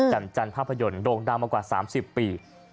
จันทร์ภาพยนตร์โด่งดังมากว่า๓๐ปี